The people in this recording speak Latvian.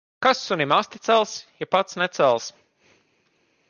Kas sunim asti cels, ja pats necels.